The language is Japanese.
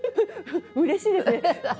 うれしいですね。